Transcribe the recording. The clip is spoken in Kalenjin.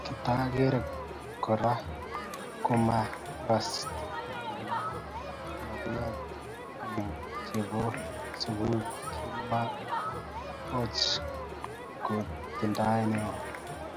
Kit age Kora komagat kotinyei ngoroik oeng chebo sukul kimeoch konetindet neo